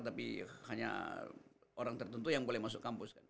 tapi hanya orang tertentu yang boleh masuk kampus kan